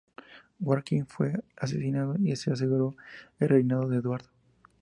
Warwick fue asesinado y se aseguró el reinado de Eduardo.